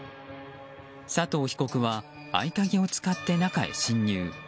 佐藤被告は合鍵を使って中へ侵入。